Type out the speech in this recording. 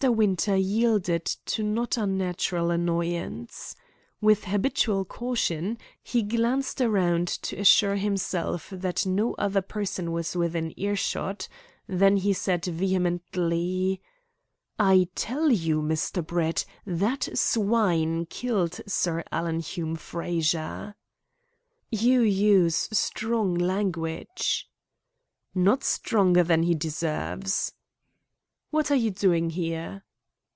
Winter yielded to not unnatural annoyance. With habitual caution, he glanced around to assure himself that no other person was within earshot; then he said vehemently: "I tell you, Mr. Brett, that swine killed Sir Alan Hume Frazer." "You use strong language." "Not stronger than he deserves." "What are you doing here?"